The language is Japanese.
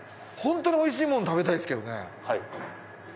ホントにおいしいもの食べたいですけどね。